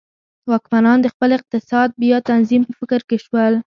واکمنان د خپل اقتصاد بیا تنظیم په فکر کې شول.